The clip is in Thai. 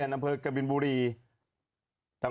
หยากกินอ่ะ